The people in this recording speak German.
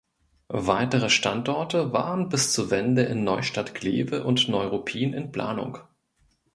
Weitere Standorte waren bis zur Wende in Neustadt-Glewe und Neuruppin in Planung.